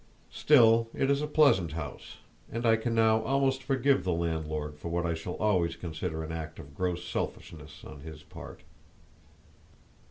Still it is a pleasant house, and I can now almost forgive the landlord for what I shall always consider an act of gross selfishness on his part.